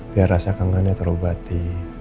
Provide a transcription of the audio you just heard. biar rasa kangennya terubati